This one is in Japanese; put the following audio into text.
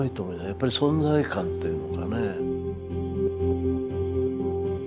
やっぱり存在感というのかね。